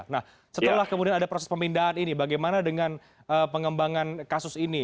nah setelah kemudian ada proses pemindahan ini bagaimana dengan pengembangan kasus ini